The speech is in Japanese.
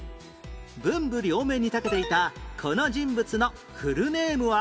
文武両面に長けていたこの人物のフルネームは？